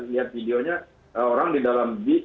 lihat videonya orang di dalam big